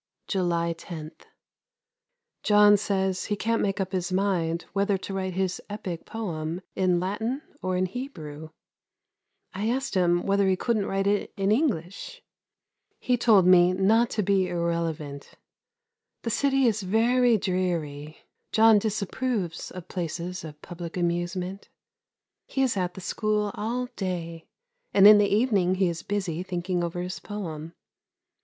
July 10. John says he can't make up his mind whether to write his epick poem in Latin or in Hebrew. I asked him whether he couldn't write it in English. He told me not to be irrelevant. The city is very dreary. John disapproves of places of public amusement. He is at the school all day; and in the evening he is busy thinking over his poem.